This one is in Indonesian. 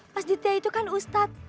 pas ditia itu kan ustad